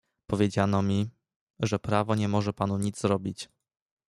"Powiedziano mi, że prawo nie może panu nic zrobić."